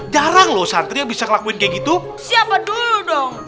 jarang loh santri yang bisa ngelakuin kayak gitu siapa dulu dong